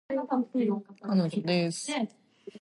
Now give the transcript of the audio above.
Сара апа сыер сава.